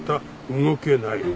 「動けない」